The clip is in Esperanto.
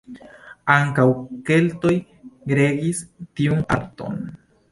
Ankaŭ keltoj regis tiun arton.